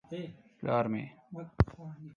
_ پلار مې.